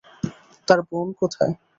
তোর বোন কোথায়?